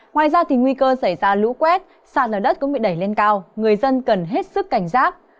ngoài ra thì nguy cơ xảy ra lũ quét sạt ở đất cũng bị đẩy lên cao người dân cần hết sức cảnh giác